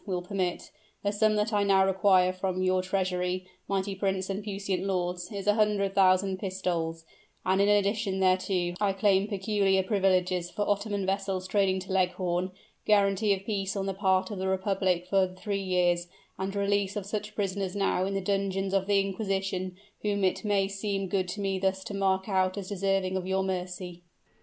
will permit. The sum that I now require from your treasury, mighty prince and puissant lords, is a hundred thousand pistoles; and in addition thereto, I claim peculiar privileges for Ottoman vessels trading to Leghorn, guaranty of peace on the part of the republic for three years, and the release of such prisoners now in the dungeons of the inquisition, whom it may seem good to me thus to mark out as deserving of your mercy."